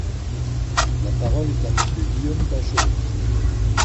La parole est à Monsieur Guillaume Bachelay.